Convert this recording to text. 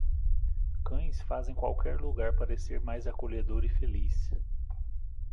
Cães fazem qualquer lugar parecer mais acolhedor e feliz.